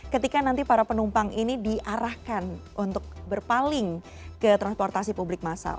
ketika nanti para penumpang ini diarahkan untuk berpaling ke transportasi publik masal